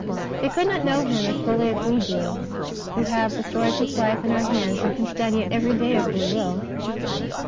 They could not know Him as fully as we do who have the story of His Life in our hands and can study it every day if we will.